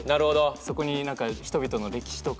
そこに人々の歴史とか。